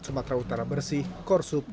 sumatera utara bersih korsup